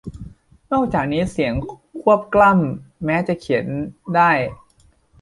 นอกจากนี้ เสียงควบกล้ำแม้จะเขียนได้